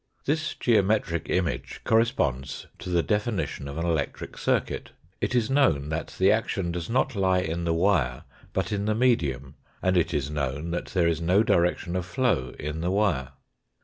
This geometric image corresponds to the definition of an electric circuit. It is known that the action does not lie in the wire, but in the medium, and it is known that there is no direction of flow in the wire.